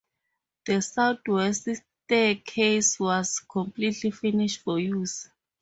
The southwest staircase was completely finished for use.